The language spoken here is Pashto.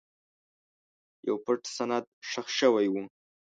یو پټ سند ښخ شوی و.